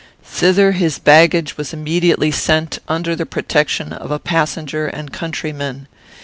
Thither his baggage was immediately sent under the protection of a passenger and countryman.